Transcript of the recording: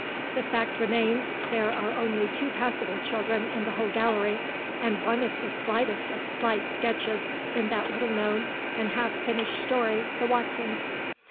The fact remains there are only two passable children in the whole gallery, and one is the slightest of slight sketches in that little known and half finished story The Watsons.